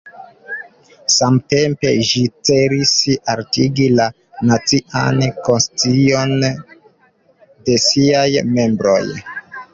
Samtempe ĝi celis altigi la nacian konscion de siaj membroj.